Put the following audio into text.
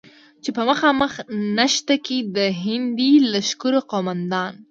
چې په مخامخ نښته کې د هندي لښکرو قوماندان،